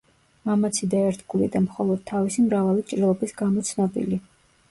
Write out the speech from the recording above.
მამაცი და ერთგული და მხოლოდ თავისი მრავალი ჭრილობის გამო ცნობილი.